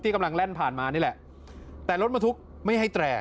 กำลังแล่นผ่านมานี่แหละแต่รถบรรทุกไม่ให้แตร่